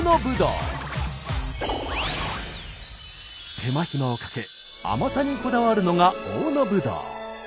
手間暇をかけ甘さにこだわるのが大野ぶどう。